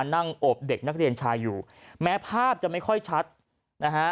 นั่งโอบเด็กนักเรียนชายอยู่แม้ภาพจะไม่ค่อยชัดนะฮะ